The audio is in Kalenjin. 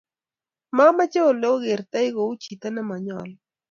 Mochome oleokertoo kouyo chito nemenyalu